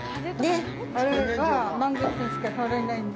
あれは満月にしか取れないんで。